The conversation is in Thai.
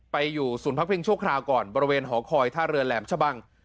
ไปอยู่ศูนย์พักพิงชั่วคราวก่อนบริเวณหอคอยท่าเรือแหลมชะบัง